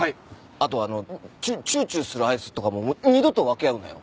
あとあのチューチューするアイスとかも二度と分け合うなよ！